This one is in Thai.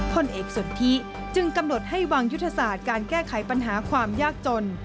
พลเอกสนทิจึงกำหนดให้วางยุทธศาสตร์การแก้ไขปัญหาความยากจน